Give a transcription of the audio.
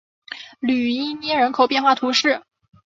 吕伊涅人口变化图示